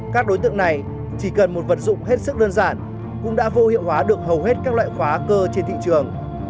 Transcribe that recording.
các đối tượng này chỉ cần một vật dụng hết sức đơn giản cũng đã vô hiệu hóa được hầu hết các loại khóa cơ trên thị trường